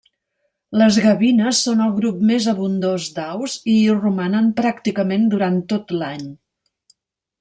Les gavines són el grup més abundós d'aus i hi romanen pràcticament durant tot l'any.